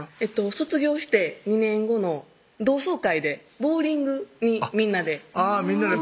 卒業して２年後の同窓会でボウリングにみんなで行ったんです